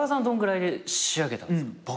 どんぐらいで仕上げたんですか？